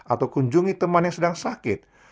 atau kunjungi teman yang sedang sakit